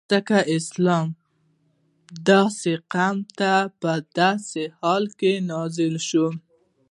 ځکه اسلام داسی قوم ته په داسی حال کی نازل سوی